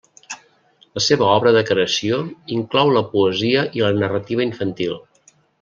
La seva obra de creació inclou la poesia i la narrativa infantil.